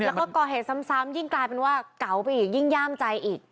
แล้วก็ก่อเหตุซ้ำยิ่งกลายเป็นว่าเก๋าไปอีกยิ่งย่ามใจอีก